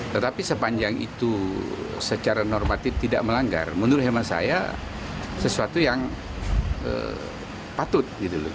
tetapi sepanjang itu secara normatif tidak melanggar menurut hemat saya sesuatu yang patut